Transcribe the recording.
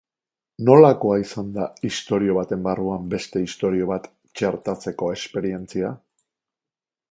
Nolakoa izan da istorio baten barruan beste istorio bat txertatzeko esperientzia?